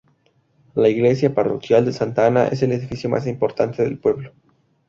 La Iglesia parroquial de Santa Ana es el edificio más importante del pueblo.